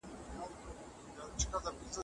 د دغي کیسې اهمېشه د الله په رضا شکر وکړی.